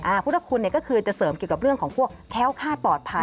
พุทธคุณเนี่ยก็คือจะเสริมเกี่ยวกับเรื่องของพวกแค้วคาดปลอดภัย